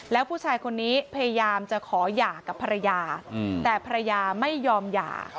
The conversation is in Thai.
แล้วผู้ชายคนนี้พยายามจะขอหย่ากับภรรยาแต่ภรรยาไม่ยอมหย่า